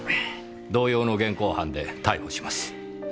同様の現行犯で逮捕します。